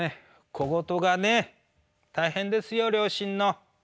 小言がね大変ですよ両親の。